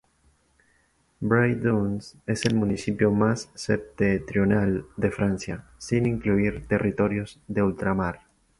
Bray-Dunes es el municipio más septentrional de Francia, sin incluir territorios de ultramar.